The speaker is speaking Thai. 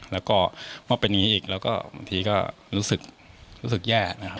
แล้วก็เมื่อเป็นอย่างนี้อีกแล้วก็บางทีก็รู้สึกแย่นะครับ